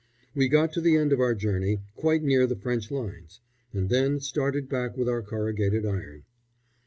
We got to the end of our journey, quite near the French lines, and then started back with our corrugated iron.